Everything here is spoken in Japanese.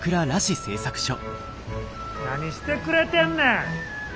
何してくれてんねん！